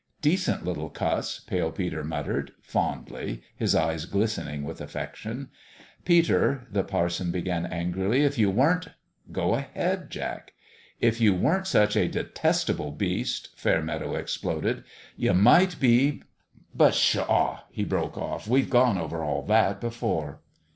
" Decent little cuss!" Pale Peter muttered, fondly, his eyes glistening with affection. " Peter," the parson began, angrily, " if you weren't "" Go ahead, Jack." "If you weren't such a detestable beast," Fairmeadow exploded, " you might be A MIRACLE at PALE PETER'S 301 But, pshaw !" he broke off; "we've gone over all that before."